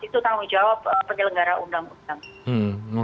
itu tanggung jawab pegawai negara undang undang